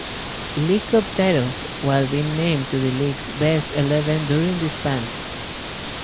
League Cup titles while being named to the league's Best Eleven during the span.